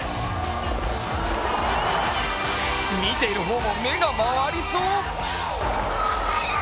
見ている方も目が回りそう。